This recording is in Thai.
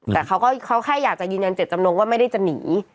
แต่เขาก็เขาแค่อยากจะยืนยันเจ็ดจำนงว่าไม่ได้จะหนี